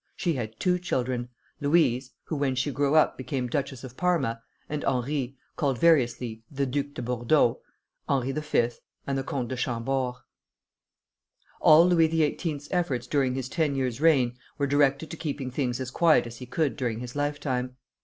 She had two children, Louise, who when she grew up became Duchess of Parma; and Henri, called variously the Duc de Bordeaux, Henri V., and the Comte de Chambord. All Louis XVIII.'s efforts during his ten years' reign were directed to keeping things as quiet as he could during his lifetime.